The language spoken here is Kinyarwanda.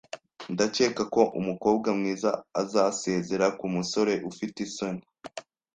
Ndakeka ko umukobwa mwiza azasezera kumusore ufite isoni